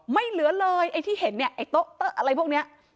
ไม่เหลือเลยไอ้ที่เห็นเนี่ยไอ้โต๊ะอะไรพวกนี้